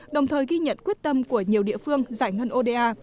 đồng thời ghi nhận quyết tâm của nhiều địa phương giải ngân oda